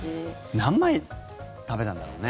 何枚食べたんだろうね。